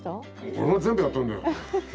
俺が全部やったんだよ！